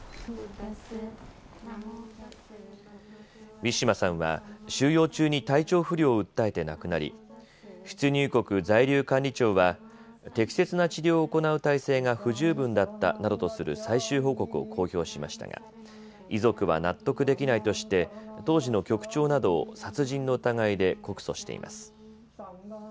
ウィシュマさんは収容中に体調不良を訴えて亡くなり出入国在留管理庁は適切な治療を行う体制が不十分だったなどとする最終報告を公表しましたが遺族は納得できないとして当時の局長などを殺人の疑いで告訴しています。